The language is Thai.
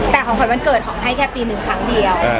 แต่ของขวัญวันเกิดของให้แค่ปีหนึ่งครั้งเดียว